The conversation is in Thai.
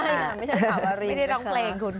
ไม่ได้ร้องเพลงคุณ